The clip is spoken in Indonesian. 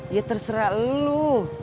ya terserah lu